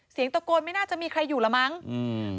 เสียงตะโกนไม่น่าจะมีใครอยู่แล้วมั้งอืม